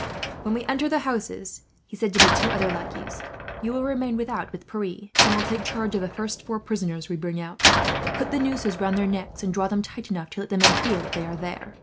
"When we enter the houses," he said to the two other lackeys, "you will remain without with Pierre, and will take charge of the first four prisoners we bring out. Put the nooses round their necks, and draw them tight enough to let the men feel that they are there.